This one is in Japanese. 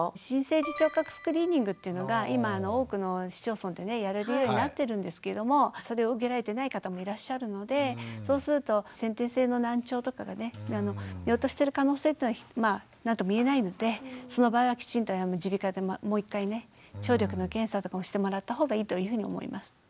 新生児聴覚スクリーニングっていうのが今多くの市町村でやれるようになってるんですけれどもそれを受けられてない方もいらっしゃるのでそうすると先天性の難聴とかがね見落としてる可能性というのはまあ何とも言えないのでその場合はきちんと耳鼻科でもう一回ね聴力の検査とかもしてもらった方がいいというふうに思います。